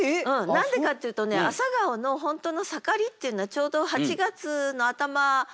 なんでかっていうとね朝顔の本当の盛りっていうのはちょうど８月の頭ぐらい。